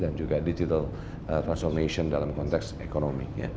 dan juga digital transformation dalam konteks ekonomi